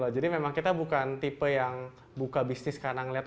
jadi memang kita bukan tipe yang buka bisnis karena ngeliat